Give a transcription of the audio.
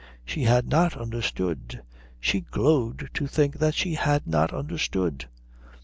She had not understood. She glowed to think she had not understood.